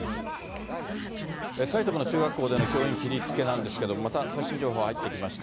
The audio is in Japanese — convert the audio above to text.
埼玉の中学校での教員切りつけなんですけど、また最新情報が入ってきました。